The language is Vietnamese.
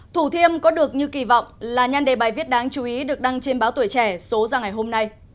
thủ thiêm có được như kỳ vọng là nhan đề bài viết đáng chú ý được đăng trên báo tuổi trẻ số ra ngày hôm nay